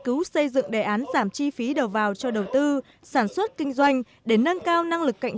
cứu xây dựng đề án giảm chi phí đầu vào cho đầu tư sản xuất kinh doanh để nâng cao năng lực cạnh